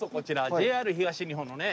ＪＲ東日本のね